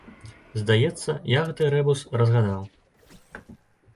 Здаецца, я гэты рэбус разгадаў.